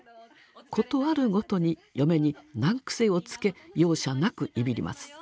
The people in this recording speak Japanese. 事あるごとに嫁に難癖をつけ容赦なくいびります。